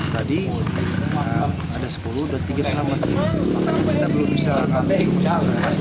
tadi ada sepuluh dan tiga selamat